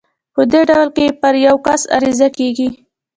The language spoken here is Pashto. په دې ډول کې پر يو کس عريضه کېږي.